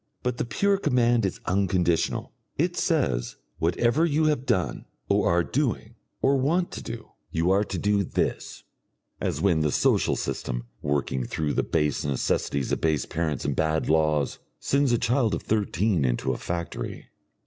But the pure command is unconditional; it says, whatever you have done or are doing or want to do, you are to do this, as when the social system, working through the base necessities of base parents and bad laws, sends a child of thirteen into a factory.